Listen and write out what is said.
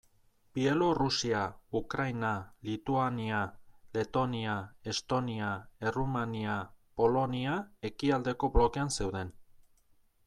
Bielorrusia, Ukraina, Lituania, Letonia, Estonia, Errumania, Polonia ekialdeko blokean zeuden.